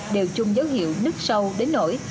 đều chung dấu hiệu nứt sâu đến nổi